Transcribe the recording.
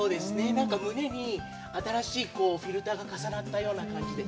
なんか胸に新しいフィルターが重なったような感じで。